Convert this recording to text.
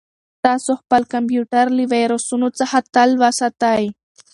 تاسو خپل کمپیوټر له ویروسونو څخه تل وساتئ.